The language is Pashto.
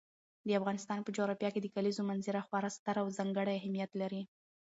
د افغانستان په جغرافیه کې د کلیزو منظره خورا ستر او ځانګړی اهمیت لري.